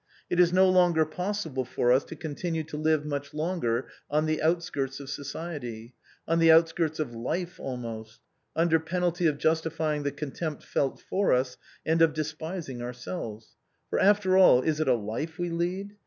It is no longer possible for us to continue to live much longer on the outskirts of society — on the outskirts of life almost — under penalty of justifying the contempt felt for us, and of despising our selves. For, after all, is it a life we lead